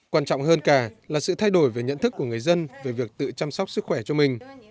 quan trọng hơn cả là sự thay đổi về nhận thức của người dân về việc tự chăm sóc sức khỏe cho mình